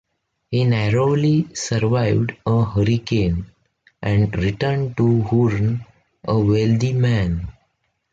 He narrowly survived a hurricane, and returned to Hoorn a wealthy man.